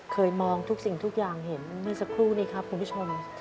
เคยมองทุกสิ่งทุกอย่างเห็นเมื่อสักครู่นี้ครับคุณผู้ชม